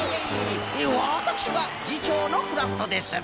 わたくしがぎちょうのクラフトです。